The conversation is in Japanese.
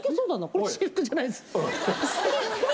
これ私服じゃないです